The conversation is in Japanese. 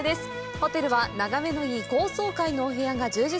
ホテルは、眺めのいい高層階のお部屋が充実。